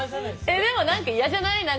えでも何かイヤじゃない？